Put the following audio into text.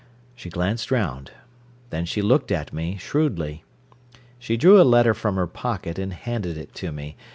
She glanced round. Then she looked at me shrewdly. She drew a letter from her pocket, and handed it to me.